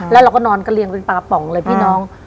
แล้วเราก็นอนกระเรียงเป็นตาป๋องเลยพี่น้อง